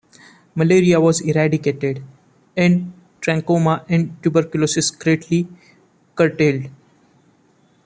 Malaria was eradicated, and trachoma and tuberculosis greatly curtailed.